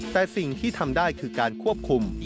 แต่สิ่งที่ทำได้คือการควบคุม